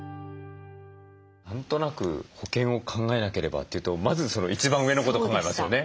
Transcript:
何となく保険を考えなければというとまずその一番上のこと考えますよね。